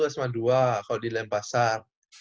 sma satu sma dua kalau di dempasar